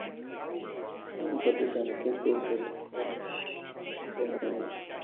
Somebody can get their head cracked open on it.